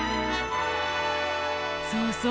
そうそう。